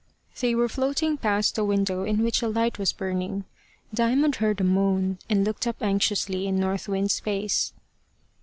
They were floating past a window in which a light was burning. Diamond heard a moan, and looked up anxiously in North Wind's face.